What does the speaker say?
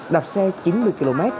đạp xe chín mươi km